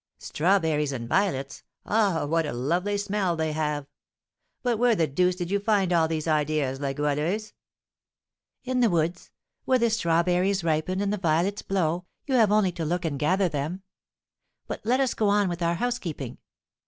"Strawberries and violets, ah, what a lovely smell they have! But where the deuce did you find all these ideas, La Goualeuse?" "In the woods, where the strawberries ripen and the violets blow, you have only to look and gather them But let us go on with our housekeeping.